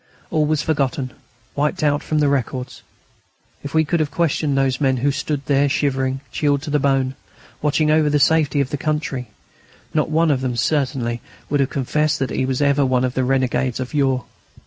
All was forgotten, wiped out from the records. If we could have questioned those men who stood there shivering, chilled to the bone, watching over the safety of the country, not one of them, certainly, would have confessed that he was ever one of the renegades of yore.